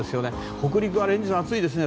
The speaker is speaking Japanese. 北陸は連日暑いですね。